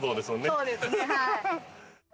そうですねはい。